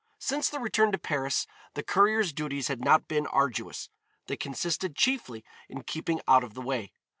Since the return to Paris the courier's duties had not been arduous; they consisted chiefly in keeping out of the way.